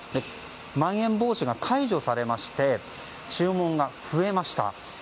まん延防止が解除されまして注文が増えました。